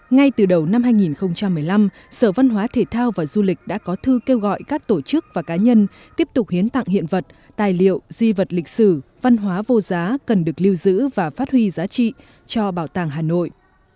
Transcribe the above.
ngay từ đầu năm hai nghìn một mươi năm sở văn hóa thể thao và du lịch đã có thư kêu gọi các tổ chức và cá nhân tiếp tục hiến tặng hiện vật tài liệu di vật lịch sử văn hóa vô giá cần được lưu giữ và phát huy giá trị cho bảo tàng hà nội